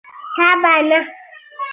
تابانه